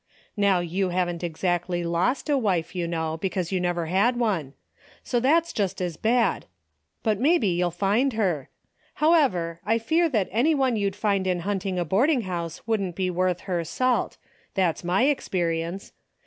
How you haven't exactly lost a wife, you know, because you never had one. So that's just as bad, but maybe you' 11 find her. How ever, I fear that any one you'd find in hunt ing a boarding house Avouldn't be worth her salt. That's my experience.